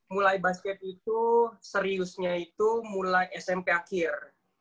mulai basket itu seriusnya itu mulai smp akhir